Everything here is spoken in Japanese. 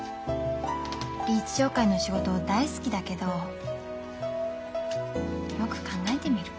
リーチ商会の仕事大好きだけどよく考えてみる。